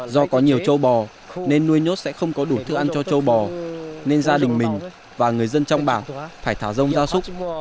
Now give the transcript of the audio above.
do có nhiều châu bò nên nuôi nhốt sẽ không có đủ thức ăn cho châu bò nên gia đình mình và người dân trong bản phải thả rông gia súc